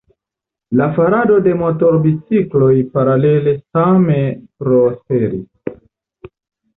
La farado de motorcikloj paralele same prosperis.